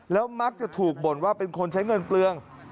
แล้วมักจะถูกบ่นว่าเป็นคนใช้เงินเปลือง